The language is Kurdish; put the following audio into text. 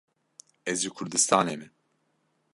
Ez ji Kurdistanê me